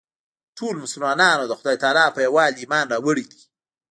ټولو مسلمانانو د خدای تعلی په یووالي ایمان راوړی دی.